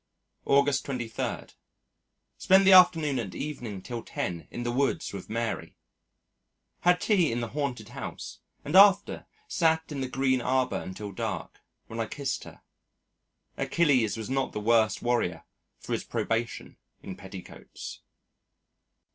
August 23. Spent the afternoon and evening till ten in the woods with Mary . Had tea in the Haunted House, and after sat in the Green Arbor until dark, when I kissed her. "Achilles was not the worse warrior for his probation in petticoats."